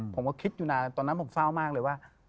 ผมก็คิดอยู่นะตอนนั้นผมเศร้ามากเลยว่า